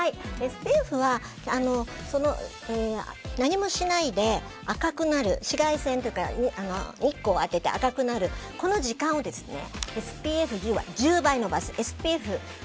ＳＰＦは、何もしないで赤くなる紫外線とか日光を当てて赤くなるこの時間をＳＰＦ１０は１０倍伸ばすＳＰＦ